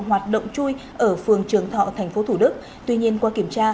hoạt động chui ở phường trường thọ thành phố thủ đức